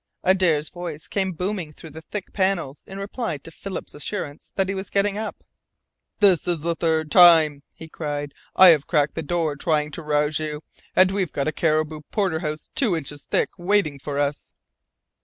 Adare's voice came booming through the thick panels in reply to Philip's assurance that he was getting up. "This is the third time," he cried. "I've cracked the door trying to rouse you. And we've got a caribou porterhouse two inches thick waiting for us."